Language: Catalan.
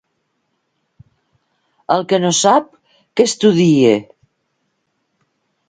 El que no sap, que estudie.